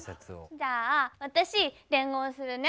じゃあ私伝言するね。